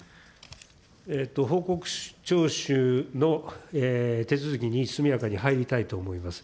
報告聴取の手続きに速やかにに入りたいと思います。